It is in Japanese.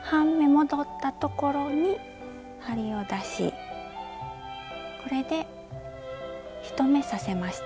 戻ったところに針を出しこれで１目刺せました。